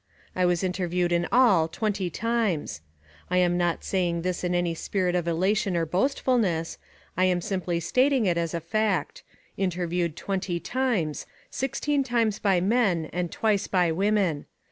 I was interviewed in all twenty times. I am not saying this in any spirit of elation or boastfulness. I am simply stating it as a fact interviewed twenty times, sixteen times by men and twice by women.